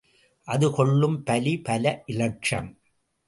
அது கொள்ளும் பலி, பல இலட்சம்.